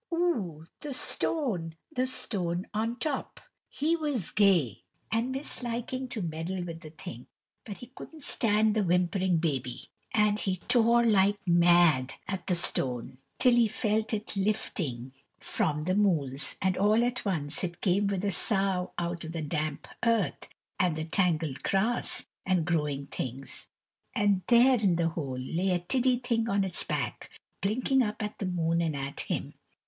ooh! the stone, the stone on top." He was gey, and mis liking to meddle with the thing, but he couldn't stand the whimpering babby, and he tore like mad at the stone, till he felt it lifting from the mools, and all at once it came with a sough out o' the damp earth and the tangled grass and growing things. And there in the hole lay a tiddy thing on its back, blinking up at the moon and at him.